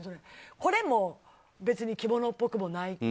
これも別に着物っぽくもないかな。